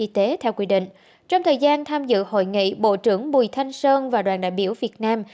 trong thời gian tham dự hội nghị bộ trưởng bùi thanh sơn và đoàn đại biểu việt nam